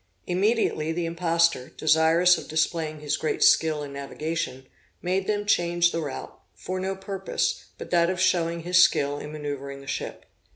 Immediately the imposter, desirous of displaying his great skill in navigation, made them change the route, for no purpose, but that of showing his skill in manoeuvring the ship.